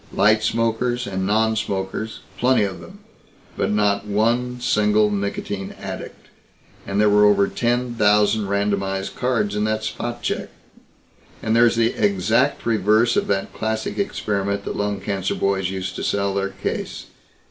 Light smokers and nonsmokers plenty of them but not one single nicotine addict. And there were over ten thousand randomized cards in that spot check. And there's the exact reverse of that classic experiment the lung cancer boys used to sell their case.